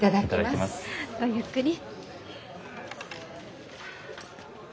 ごゆっくり。